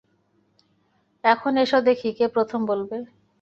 এখন এস দেখি, কে প্রথম বলবে?